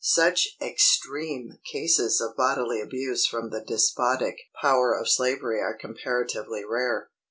Such extreme cases of bodily abuse from the despotic power of slavery are comparatively rare.